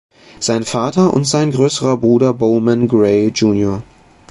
Sein Vater und sein größerer Bruder Bowman Gray, Jr.